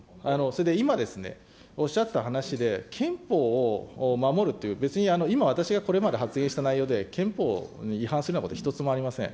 それで今ですね、おっしゃってた話で、憲法を守るという、別に今、私がこれまで発言した内容で、憲法に違反するようなことは一つもありません。